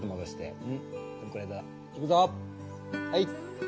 はい。